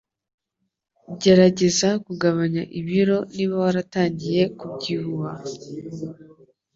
Gerageza kugabanya ibiro niba waratangiye kubyibua